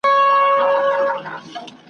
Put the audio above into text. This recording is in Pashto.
کیسه دي راوړه راته قدیمه `